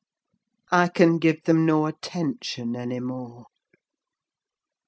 I can give them no attention any more."